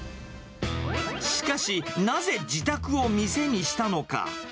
しかし、なぜ自宅を店にしたのか。